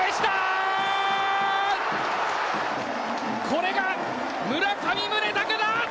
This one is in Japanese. これが、村上宗隆だ。